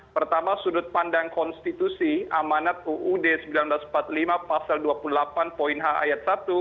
pertama sudut pandang konstitusi amanat uud seribu sembilan ratus empat puluh lima pasal dua puluh delapan poin h ayat satu